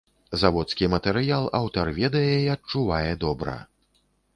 Заводскі матэрыял аўтар ведае і адчувае добра.